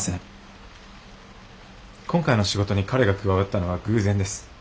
今回の仕事に彼が加わったのは偶然です。